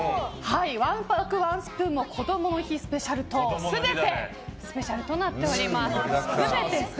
わんぱくワンスプーンもこどもの日スペシャルと全て、スペシャルとなっております。